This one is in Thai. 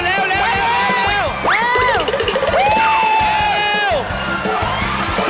เร็ว